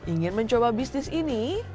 ingin mencoba bisnis ini